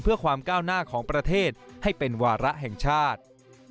เพื่อความก้าวหน้าของประเทศให้เป็นวาระแห่งชาติ